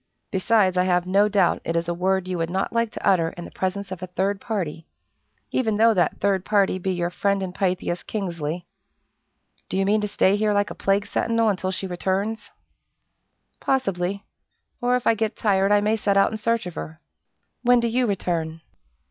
"Besides, I have no doubt it is a word you would not like to utter in the presence of a third party, even though that third party be your friend and Pythias, Kingsley. Do you mean to stay here like a plague sentinel until she returns?" "Possibly; or if I get tired I may set out in search of her. When do you return?"